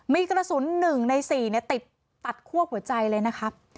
มีกระสุนหนึ่งในสี่เนี้ยติดตัดขั้วหัวใจเลยนะครับ